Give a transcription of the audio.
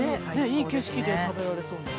いい景色で食べられそう。